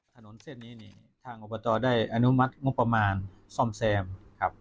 ถนนเส้นนี้นี่ทางอบตได้อนุมัติงบประมาณซ่อมแซมครับ